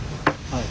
はい。